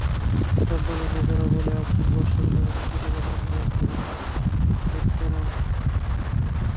কোম্পানির লোকেরা বলে আসছেন, বর্ষার কারণে সিটি করপোরেশন রাস্তা কাটতে দিচ্ছে না।